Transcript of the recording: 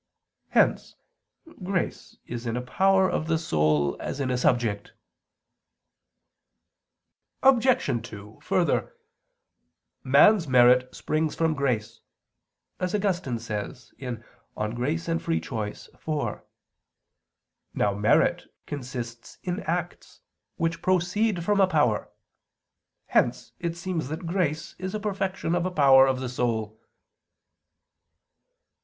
Hence grace is in a power of the soul, as in a subject. Obj. 2: Further, "Man's merit springs from grace" as Augustine says (De Gratia et Lib. Arbit. vi). Now merit consists in acts, which proceed from a power. Hence it seems that grace is a perfection of a power of the soul.